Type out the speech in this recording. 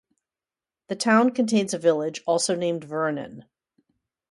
The town contains a village, also named Vernon.